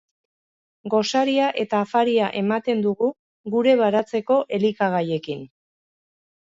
Gosaria eta afaria ematen dugu gure baratzeko elikagaiekin.